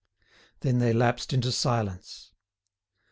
Then they lapsed into silence.